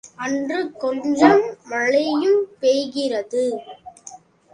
அன்று கொஞ்சம் மழையும் பெய்கிறது.